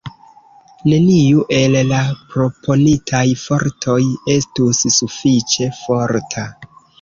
Neniu el la proponitaj fortoj estus sufiĉe forta.